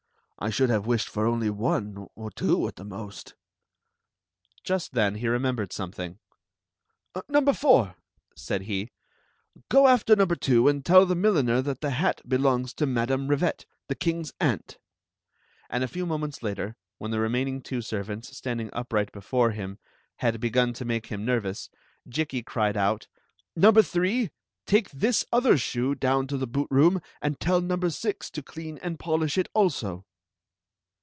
I should have wished for only one — or two at the most." Just then he remembered something. "Number four," said he, "go after number two and tell the milliner that the hat belongs to Madam Rivette, the king's aunt" And a few moments later, when the remaining two servants, standing upright before him, had ^ m to make him nervous, Jikki cried out: " Number three, take this other shoe down to the boot room and tell number six to clean and polish it also."